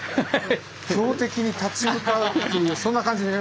強敵に立ち向かうっていうそんな感じに見えますね。